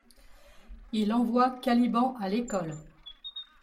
Il envoie Caliban à l'école.